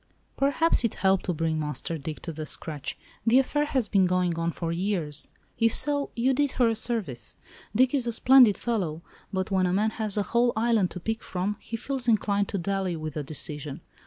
"Perhaps it helped to bring Master Dick to the scratch—the affair has been going on for years; if so, you did her a service. Dick is a splendid fellow, but when a man has a whole island to pick from he feels inclined to dally with a decision.